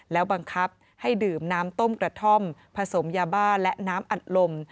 แล้วบังคับให้ดื่มน้ำต้มกระท่อมผสมยาบ้าและน้ำอัดลม